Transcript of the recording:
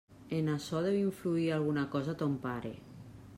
En açò deu influir alguna cosa ton pare.